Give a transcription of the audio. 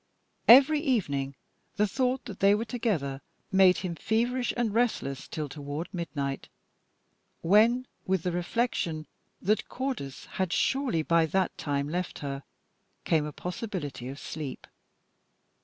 Every evening the thought that they were together made him feverish and restless till toward midnight, when, with the reflection that Cordis had surely by that time left her, came a possibility of sleep.